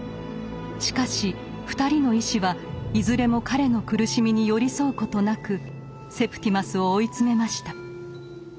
しかし２人の医師はいずれも彼の苦しみに寄り添うことなくセプティマスを追い詰めました。